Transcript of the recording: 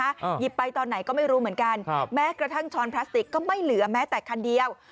หยิบไปตอนไหนก็ไม่รู้เหมือนกันครับแม้กระทั่งช้อนพลาสติกก็ไม่เหลือแม้แต่คันเดียว